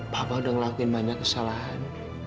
bapak udah ngelakuin banyak kesalahan